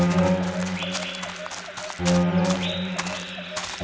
orang negeri perdahuluan masing masing